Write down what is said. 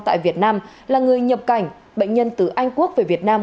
tại việt nam là người nhập cảnh bệnh nhân từ anh quốc về việt nam